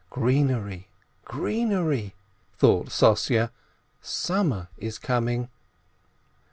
'' "Greenery, greenery!" thought Sossye, "summer is coming